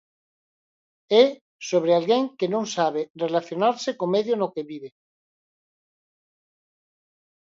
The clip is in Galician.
É sobre alguén que non sabe relacionarse co medio no que vive.